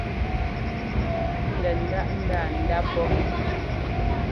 Mɔɔ gɛ ńdáʼ ńdanda pɔ́.